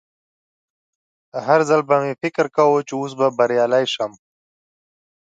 هر ځل به مې فکر کاوه چې اوس به بریالی شم